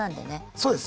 そうです。